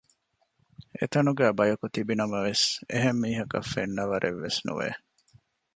އެތަނުގައި ބަޔަކު ތިބިނަމަވެސް އެހެންމީހަކަށް ފެންނަވަރެއް ވެސް ނުވެ